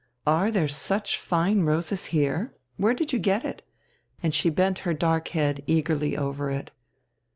"Are there such fine roses here? Where did you get it?" And she bent her dark head eagerly over it.